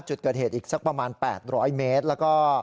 จุดเกิดเหตุอีกสักประมาณ๘๐๐เมตรแล้วก็